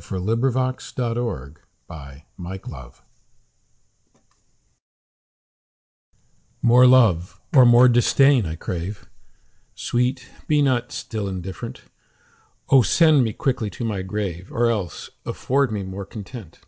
c. 1678 403. Against Indifference MORE love or more disdain I crave; Sweet, be not still indifferent: O send me quickly to my grave, Or else afford me more content!